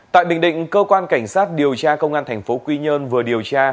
tại bình định cơ quan cảnh sát điều tra công an tp quy nhơn vừa điều tra